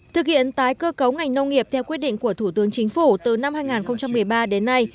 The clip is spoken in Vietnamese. thực hiện tái cơ cấu ngành nông nghiệp theo quyết định của thủ tướng chính phủ từ năm hai nghìn một mươi ba đến nay